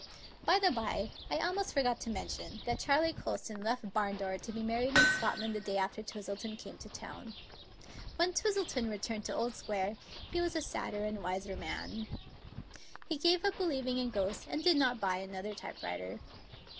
By the bye, I almost forgot to mention that Charley Colston left Barndore to be married in Scot land the day after Twistleton came to town. When Twistleton returned to Old Square he was a sad der and a wiser man. He gave up believing in ghosts, and did not buy another typewriter.